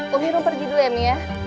kok hirup pergi dulu ya mi